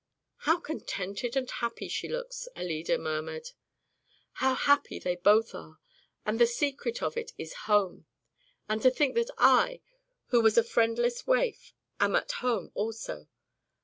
"How contented and happy she looks!" Alida murmured, "how happy they both are! And the secret of it is HOME. And to think that I, who was a friendless waif, am at home, also!